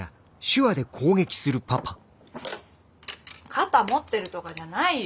肩持ってるとかじゃないよ。